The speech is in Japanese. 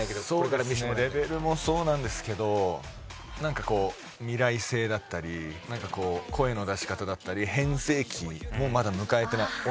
そうですねレベルもそうなんですけどなんかこう未来性だったりなんかこう声の出し方だったり変声期もまだ迎えてない。